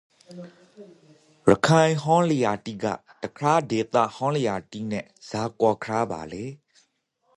ရခိုင်ဟင်းလျာတိကတခြားဒေသကဟင်းလျာတိနန့်ဇာကွာခြားပါလေ